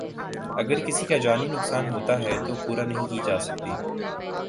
اگر کسی کا جانی نقصان ہوتا ہے تو پورا نہیں کی جا سکتی